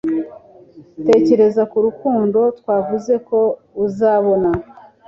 tekereza ku rukundo twavuze ko uzabona